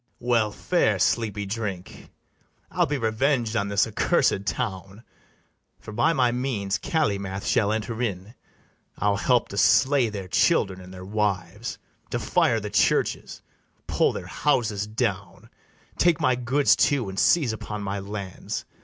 well fare, sleepy drink! I'll be reveng'd on this accursed town; For by my means Calymath shall enter in: I'll help to slay their children and their wives, To fire the churches, pull their houses down, Take my goods too, and seize upon my lands.